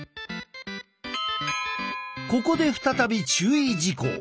ここで再び注意事項！